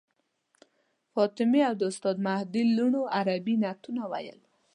فاطمې او د استاد مهدي لوڼو عربي نعتونه ویل.